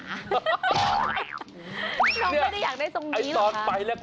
น้องไม่ได้อยากได้ทรงนี้หรอกค่ะ